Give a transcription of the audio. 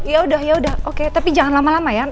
ya udah ya udah oke tapi jangan lama lama ya